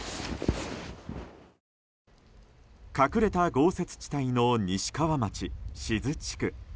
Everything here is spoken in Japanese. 隠れた豪雪地帯の西山町志津地区。